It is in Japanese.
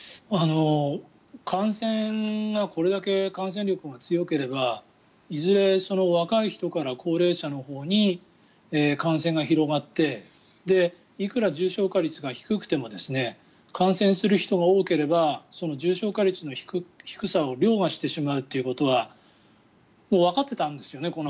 感染がこれだけ感染力が強ければいずれ若い人から高齢者のほうに感染が広がっていくら重症化率が低くても感染する人が多ければその重症化率の低さを凌駕してしまうっていうことはもうわかってたんですよね